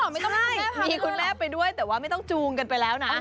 ไม่ต้องมีคุณแม่ไปด้วยแต่ว่าไม่ต้องจูงกันไปแล้วนะ